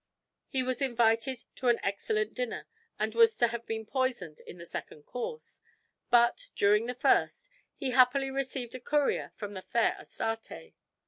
He was invited to an excellent dinner and was to have been poisoned in the second course, but, during the first, he happily received a courier from the fair Astarte.